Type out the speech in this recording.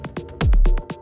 aku mau ke rumah